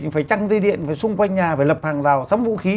phải trăng dây điện phải xung quanh nhà phải lập hàng rào sắm vũ khí